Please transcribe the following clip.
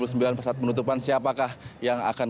saat penutupan siapakah yang akan